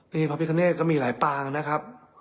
นี่พระพิคเนธก็มีหลายปางนะครับ